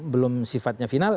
belum sifatnya final